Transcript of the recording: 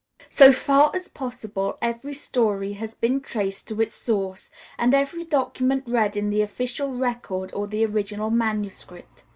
So far as possible, every story has been traced to its source, and every document read in the official record or the original manuscript.